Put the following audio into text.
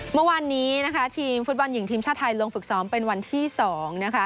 เมื่อวานนี้นะคะทีมฟุตบอลหญิงทีมชาติไทยลงฝึกซ้อมเป็นวันที่๒นะคะ